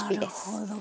なるほど。